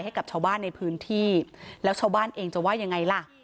ให้กับชาวบ้านในพื้นที่แล้วชาวบ้านเองจะว่ายังไงล่ะ